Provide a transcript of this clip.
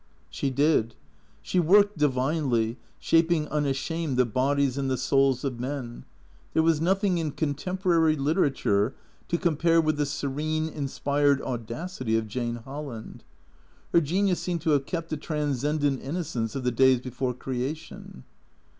She did. She worked divinely, shaping unashamed the bodies and the souls of men. There was nothing in contemporary liter ature to compare with the serene, inspired audacity of Jane Hol land. Her genius seemed to have kept the transcendent inno cence of the days before creation.